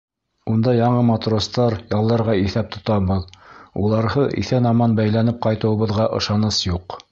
Унда яңы матростар ялларға иҫәп тотабыҙ, уларһыҙ иҫән-имен әйләнеп ҡайтыуыбыҙға ышаныс юҡ.